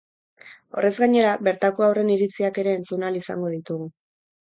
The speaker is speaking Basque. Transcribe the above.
Horrez gainera, bertako haurren iritziak ere entzun ahal izango ditugu.